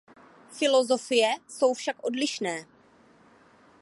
Filozofie jsou však odlišné.